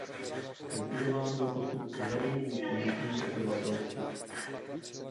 Kritizován byl postup úřadů vůči místnímu obyvatelstvu.